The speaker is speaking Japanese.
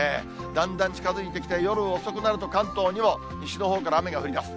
だんだん近づいてきて、夜遅くになると、関東にも、西のほうから雨が降りだす。